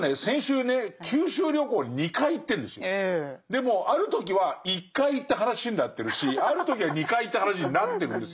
でもある時は１回行った話になってるしある時は２回行った話になってるんですよ。